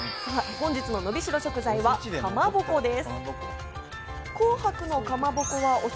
本日ののびしろ食材はかまぼこです。